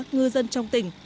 ngư dân trong tỉnh